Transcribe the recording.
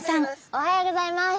おはようギョざいます！